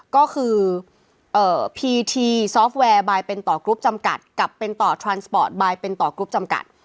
ก็คือพีทีซอฟต์แวร์บายเป็นต่อกรุ๊ปจำกัดกับเป็นต่อทรานสปอร์ตบายเป็นต่อกรุ๊ปจำกัด